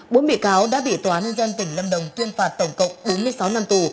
bốn bị cáo đã bị tòa án nhân dân tỉnh lâm đồng tuyên phạt tổng cộng bốn mươi sáu năm tù